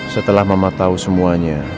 setelah mama tahu semuanya